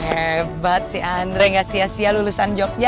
hebat si andre gak sia sia lulusan jogja